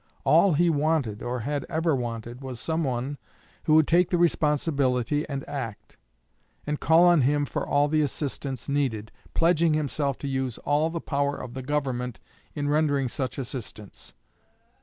All he wanted or had ever wanted was someone who would take the responsibility and act, and call on him for all the assistance needed, pledging himself to use all the power of the government in rendering such assistance....